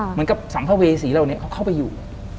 เหมือนกับสัมภเวษีเหล่านี้เขาเข้าไปอยู่